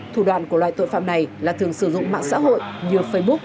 thủ đoạn của loài tội phạm này là thường sử dụng mạng xã hội như facebook